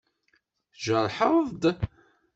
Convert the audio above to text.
Tjerḥeḍ-d?